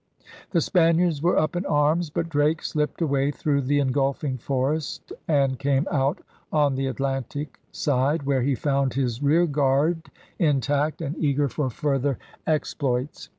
The Spaniards were up in arms. But Drake slipped away through the engulfing forest and came out on the Atlantic side, where he found his rear guard intact and eager for further exploits.